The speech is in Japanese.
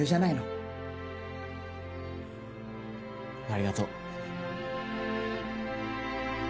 ありがとう。